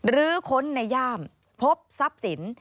หรือค้นในย่ามพบทรัพย์สิน